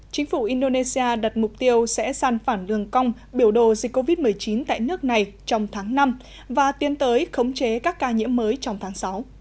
chính phủ indonesia đặt mục tiêu sẽ săn phản lường cong biểu đồ dịch covid một mươi chín tại nước này trong tháng năm và tiến tới khống chế các ca nhiễm mới trong tháng sáu